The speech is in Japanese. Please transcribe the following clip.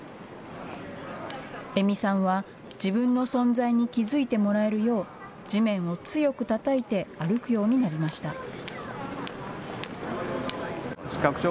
江見さんは、自分の存在に気付いてもらえるよう、地面を強くたたいて歩くようになりました。